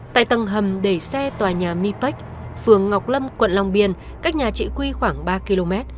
tại tầng hầm đẩy xe tòa nhà mi bách phường ngọc lâm quận long biên cách nhà trị quy khoảng ba km